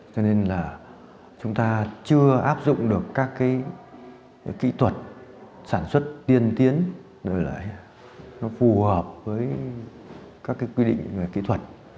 cho nên là chúng ta chưa áp dụng được các kỹ thuật sản xuất tiên tiến phù hợp với các quy định kỹ thuật